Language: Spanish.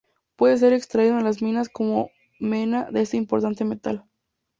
Puede ser extraído en las minas como mena de este importante metal.